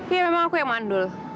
ya memang aku yang mandul